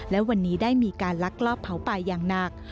และวันนี้ได้มีการลักลอบเผาป่าอย่างหนัก